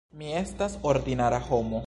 Mi estas ordinara homo.